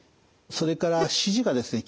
それから指示がですね